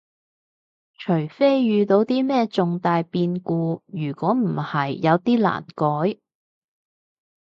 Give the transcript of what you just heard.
除非遇到啲咩重大變故，如果唔係有啲難改